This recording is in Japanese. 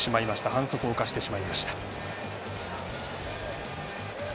反則を犯してしまいました。